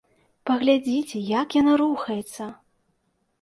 Паглядзіце, як яна рухаецца!